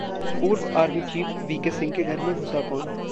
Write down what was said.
पूर्व army chief VK Singh के घर में घुसा कौन?